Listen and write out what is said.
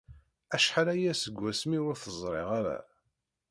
Acḥal aya seg wasmi ur t-ẓriɣ ara.